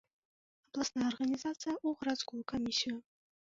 Абласная арганізацыя ў гарадскую камісію.